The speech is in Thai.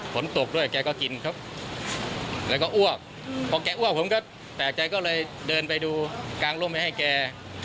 ฝนตกด้วยแกก็กินครับแล้วก็อ้วกพอแกอ้วกผมก็แปลกใจก็เลยเดินไปดูกลางร่มไปให้แก